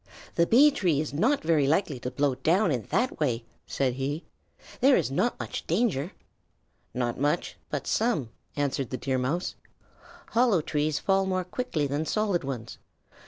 "The Bee tree is not very likely to blow down in that way," said he. "There is not much danger." "Not much, but some," answered the Deer Mouse. "Hollow trees fall more quickly than solid ones.